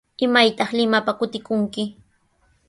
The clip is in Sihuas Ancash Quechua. ¿Imaytaq Limapa kutikunki?